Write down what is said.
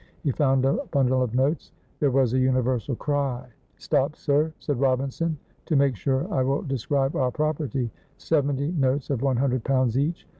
He found a bundle of notes. There was a universal cry. "Stop, sir!" said Robinson, "to make sure I will describe our property seventy notes of one hundred pounds each.